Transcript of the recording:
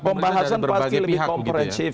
pembahasan pasti lebih komprensif